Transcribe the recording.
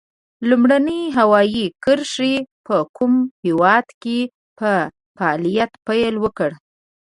لومړنۍ هوایي کرښې په کوم هېواد کې په فعالیت پیل وکړ؟